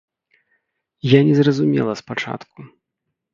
Я не зразумела спачатку.